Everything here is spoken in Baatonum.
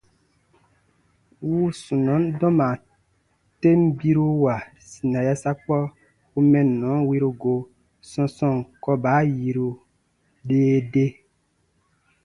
Wuu sunɔn dɔma ten biruwa sina yasakpɔ u mɛnnɔ wiru go sɔ̃sɔɔn kɔba yiru dee dee.